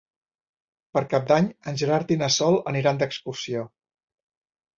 Per Cap d'Any en Gerard i na Sol aniran d'excursió.